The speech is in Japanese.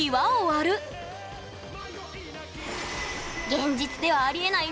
現実ではありえない